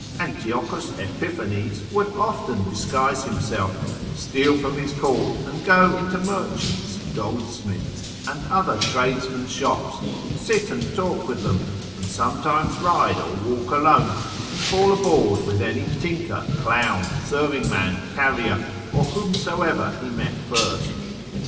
Antiochus Epiphanes would often disguise himself, steal from his court, and go into merchants', goldsmiths', and other tradesmen's shops, sit and talk with them, and sometimes ride or walk alone, and fall aboard with any tinker, clown, serving man, carrier, or whomsoever he met first.